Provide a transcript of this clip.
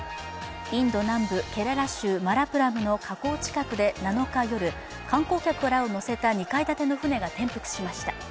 インド南部ケララ州マラプラムの河口近くで７日夜観光客らを乗せた２階建ての船が転覆しました。